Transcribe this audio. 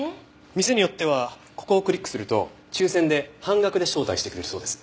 店によってはここをクリックすると抽選で半額で招待してくれるそうです。